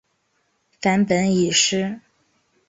梵本已失。